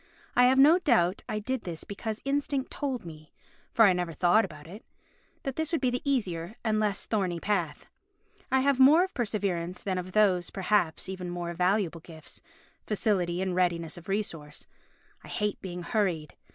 I have no doubt I did this because instinct told me (for I never thought about it) that this would be the easier and less thorny path. I have more of perseverance than of those, perhaps, even more valuable gifts—facility and readiness of resource. I hate being hurried.